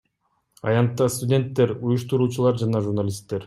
Аянтта студенттер, уюштуруучулар жана журналисттер.